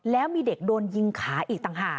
แล้วมีเด็กโดนยิงขาอีกต่างหาก